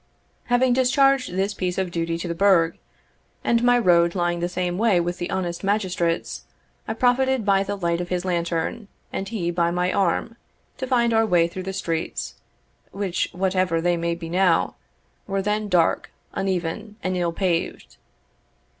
Having discharged this piece of duty to the burgh, and my road lying the same way with the honest magistrate's, I profited by the light of his lantern, and he by my arm, to find our way through the streets, which, whatever they may now be, were then dark, uneven, and ill paved.